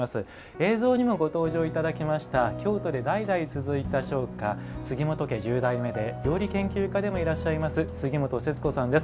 映像にもご登場いただきました京都で代々続いた商家杉本家十代目で料理研究家でもいらっしゃいます杉本節子さんです。